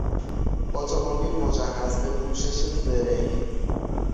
اتومبیل مجهز به پوشش زرهی